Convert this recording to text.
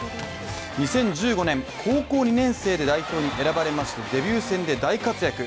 ２０１５年、高校２年生で代表に選ばれましてデビュー戦で大活躍。